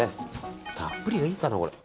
たっぷりがいいかな。